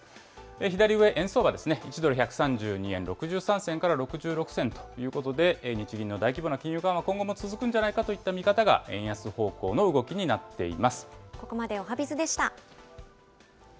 左上、円相場ですね、１ドル１３２円６３銭から６６銭ということで、日銀の大規模な金融緩和、今後も続くんじゃないかといった見方が円安方向の動きになっていまここまでおはＢｉｚでした。